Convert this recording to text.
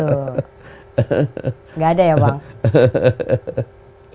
enggak ada ya bang